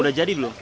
udah jadi belum